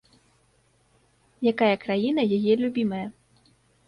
Якая краіна яе любімая?